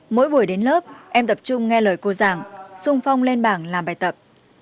mỗi buổi đến lớp em tập trung nghe lời cô giảng sung phong lên bảng làm bài tập